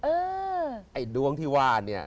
เกื้อกูลต่อกันไอ้ดวงที่ว่าเนี่ย